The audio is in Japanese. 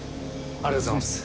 ありがとうございます。